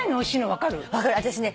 分かる。